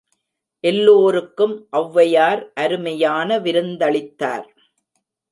எல்லோருக்கும் ஒளவையார் அருமையான விருந்தளித்தார்.